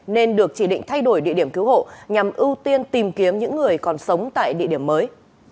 nên được chỉ định thay đổi địa điểm cứu hộ nhằm ưu tiên tìm kiếm những người còn sống tại địa điểm mới